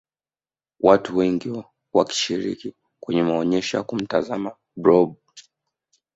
watu wengi wakishiriki kwenye maonyesho ya kumtazama blob